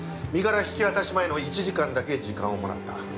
身柄引き渡し前の１時間だけ時間をもらった。